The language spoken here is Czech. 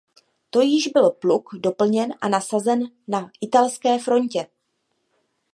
To již byl pluk doplněn a nasazen na italské frontě.